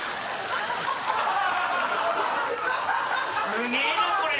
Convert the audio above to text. すげえなこれ。